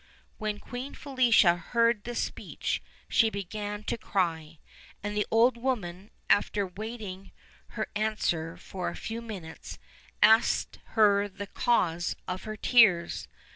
When Queen Felicia heard this speech she began to cry, and the old woman, after waiting her answer for a few minutes, asked her the cause of her tears.